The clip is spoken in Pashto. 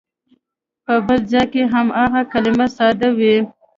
په بل ځای کې هماغه کلمه ساده وي.